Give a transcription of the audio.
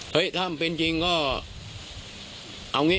เฮ้ยถ้าจะเป็นจริงก็ก็งี้